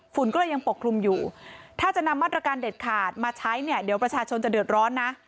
ฝุ่นก็เลยยังปกคลุมอยู่ถ้าจะนำมาตรการเด็ดขาดมาใช้เนี่ยเดี๋ยวประชาชนจะเดือดร้อนนะ